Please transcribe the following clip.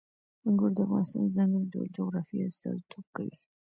انګور د افغانستان د ځانګړي ډول جغرافیې استازیتوب کوي.